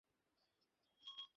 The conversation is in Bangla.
তোমাকে শাস্তি পেতে হবে।